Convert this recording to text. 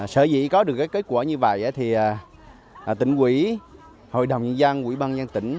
sở dĩ có được kết quả như vậy thì tỉnh quỹ hội đồng nhân dân quỹ ban nhân tỉnh